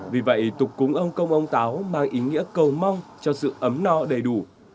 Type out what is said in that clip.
vì vậy tục cúng ông công ông táo mang ý nghĩa cầu mong cho sự ấm no đầy đủ